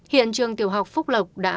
hiện trường tiểu học phú lộc đã phát triển